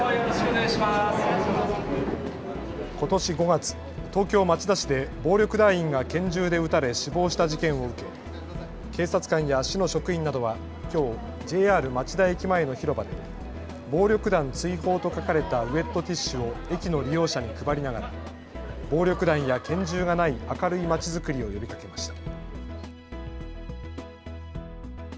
ことし５月、東京町田市で暴力団員が拳銃で撃たれ死亡した事件を受け警察官や市の職員などはきょうＪＲ町田駅前の広場で暴力団追放と書かれたウエットティッシュを駅の利用者に配りながら暴力団や拳銃がない明るいまちづくりを呼びかけました。